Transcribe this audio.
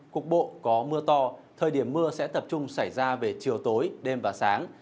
cục bộ có mưa to thời điểm mưa sẽ tập trung xảy ra về chiều tối đêm và sáng